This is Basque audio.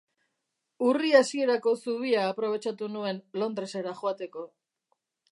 Urri hasierako zubia aprobetxatu nuen Londresera joateko.